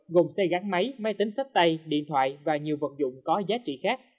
gồm xe gắn máy máy tính sách tay điện thoại và nhiều vật dụng có giá trị khác